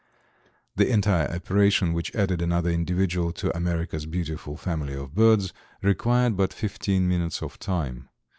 The entire operation, which added another individual to America's beautiful family of birds, required but fifteen minutes of time.